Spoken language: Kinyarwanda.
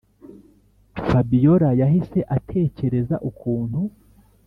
fabiora yahise atekereza ukuntu